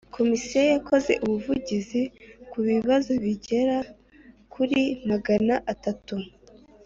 Komisiyo yakoze ubuvugizi ku bibazo bigera kuri Magana atatu